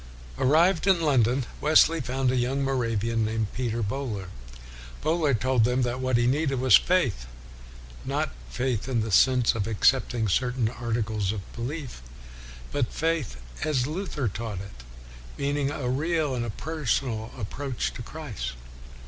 1 Arrived in London, Wesley found a young Moravian named Peter Bohler. Bohler told him that what he needed was faith: not faith in the sense of accepting certain articles of belief, but faith as Luther taught it, meaning a real and per sonal approach to Christ.